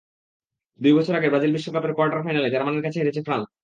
দুই বছর আগে ব্রাজিল বিশ্বকাপের কোয়ার্টার ফাইনালে জার্মানির কাছে হেরেছে ফ্রান্স।